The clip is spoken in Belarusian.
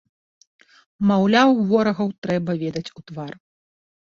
Маўляў, ворагаў трэба ведаць у твар!